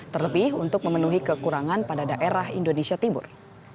terlebih untuk memenuhi kekurangan pada daerah indonesia timur